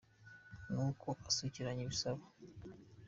Ni uko asukiranya ibisabo.